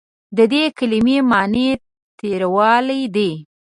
د دې کلمې معني تریوالی دی.